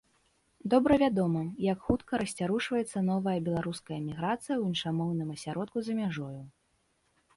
Добра вядома, як хутка расцярушваецца новая беларуская эміграцыя ў іншамоўным асяродку за мяжою.